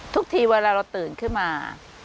ทุกทีเวลาเราตื่นขึ้นมา